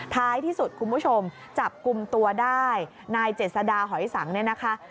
ท้ายที่สุดคุณผู้ชมจับกลุ่มตัวได้นายเจษดาหอยสังเนี่ยนะคะ